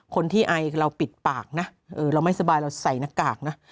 คนที่ไอเราปิดปากนะเราไม่สบายเราใส่หน้ากากนะ